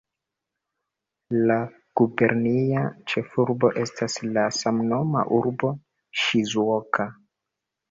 La gubernia ĉefurbo estas la samnoma urbo Ŝizuoka.